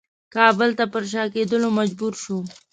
کابل ته پر شا کېدلو مجبور شو.